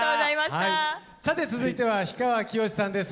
さて続いては氷川きよしさんです。